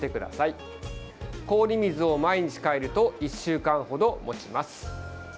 氷水を毎日換えると１週間ほどもちます。